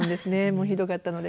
もうひどかったので。